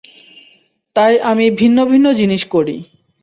তাই আমি ভিন্ন ভিন্ন জিনিস করি।